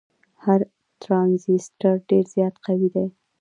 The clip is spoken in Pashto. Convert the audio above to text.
هر ټرانزیسټر ډیر زیات قوي دی.